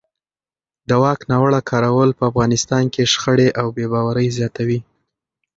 د واک ناوړه کارول په افغانستان کې شخړې او بې باورۍ زیاتوي